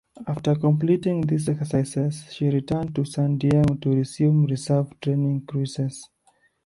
After completing these exercises, she returned to San Diego to resume reserve training cruises.